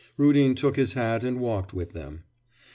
Rudin took his hat and walked with them.